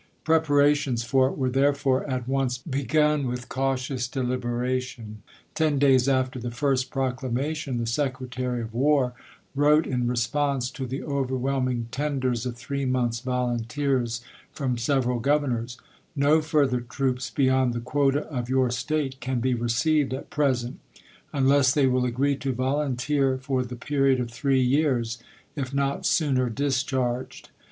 Preparations for it were therefore at once begun, with cautious deliberation. Ten days after the first proclamation the Secretary of War wrote in response to the overwhelming tenders 254 CIVIL WAE 255 of three months' volunteers from several Gov chap.xiv. ernors: "No further troops beyond the quota of your State can be received at present, unless they will agree to volunteer for the period of three years, if not sooner discharged.